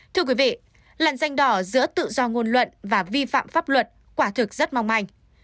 thưa quý vị lằn danh đỏ giữa tự do ngôn luận và vi phạm pháp luật quả thực rất mong manh